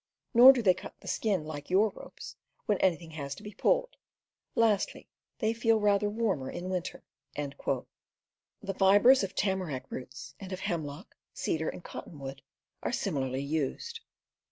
Nor do they cut the skin, like your ropes, when anything has to be pulled. Lastly, they feel rather warmer in winter." The fibers of tamarack roots, and of hemlock, cedar, and Cottonwood, are similarly used.